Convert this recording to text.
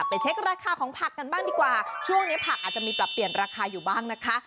เช็คราคาของผักกันบ้างดีกว่าช่วงนี้ผักอาจจะมีปรับเปลี่ยนราคาอยู่บ้างนะคะ